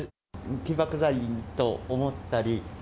起爆剤と思ったり。